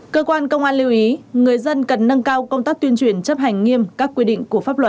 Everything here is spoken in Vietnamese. cơ quan công an lưu ý người dân cần nâng cao công tác tuyên truyền chấp hành nghiêm các quy định của pháp luật